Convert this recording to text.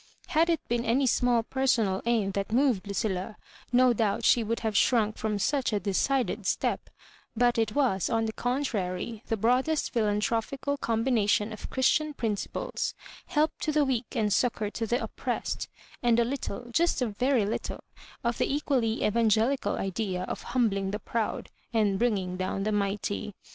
Had it been any small personal aim that moved Lu cilla, no doubt she would have shrunk from such a decided step ; but it was, on the contrary, the broadest philanthropical combination of Christian principles, help to the weak and succour to the oppressed, and a little, just a very little, of the equally Evangelical idea of humbling the proud and bringing down the mighty.